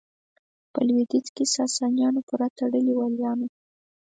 په لوېدیځ کې ساسانیانو پوره تړلي والیان وو.